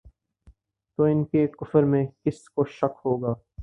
تو ان کے کفر میں کس کو شک ہوگا